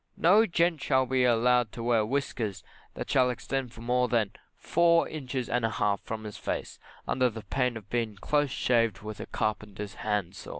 No gent shall be allowed to wear whiskers that shall extend more than four inches and a half from his face under the pain of being close shaved with a carpenter's hand saw.